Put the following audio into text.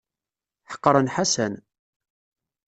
Ḥeqren Ḥasan.